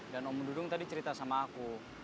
dan om dudung tadi cerita sama aku